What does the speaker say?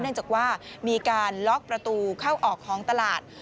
เนื่องจากว่ามีการล็อกประตูเข้าออกของตลาด